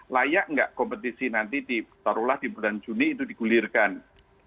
layak nggak kompetisi nanti ditaruhlah di bulan juni itu digulirkan